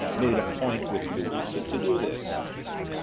made it a point with Louisa to do this.